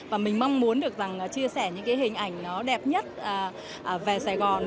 và mình mong muốn được chia sẻ những hình ảnh đẹp nhất về sông sài gòn